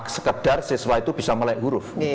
sekedar siswa itu bisa melek huruf